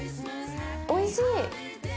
おいしい！